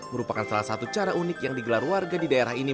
merupakan salah satu cara unik yang digelar warga di daerah ini